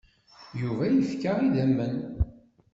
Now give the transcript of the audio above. Yuba yefka idammen.